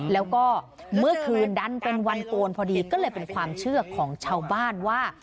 แล้วก็เมื่อคืนดันเป็นวันโกนพอดีก็เลยเป็นความเชื่อของชาวบ้านว่า